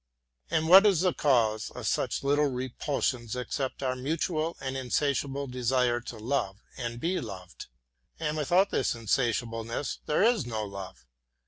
And what is the cause of such little repulsions except our mutual and insatiable desire to love and be loved? And without this insatiableness there is no love.